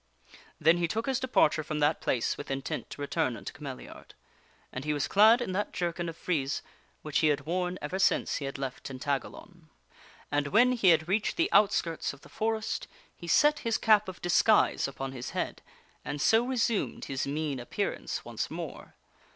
Then he took his departure from resumes his that place with intent to return unto Cameliard. And he was clad in that jerkin of frieze which he had worn ever since he had left Tin tagalon. I 10 THE WINNING OF A QUEEN And when he had reached the outskirts of the forest, he set his cap of disguise upon his head and so resumed his mean appearance once more.